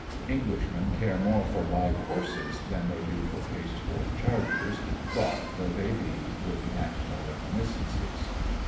Englishmen care more for live horses than they do for pasteboard chargers, fraught though they be with national reminiscences.